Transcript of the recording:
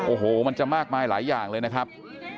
โอ้โหมันจะมากมายหลายอย่างเลยนะครับ